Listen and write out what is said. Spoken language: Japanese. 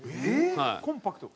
コンパクト。